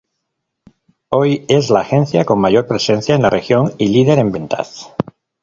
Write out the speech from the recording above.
Hoy es la agencia con mayor presencia en la región y líder en ventas.